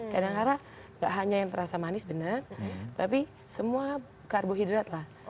kadang kadang gak hanya yang terasa manis benar tapi semua karbohidrat lah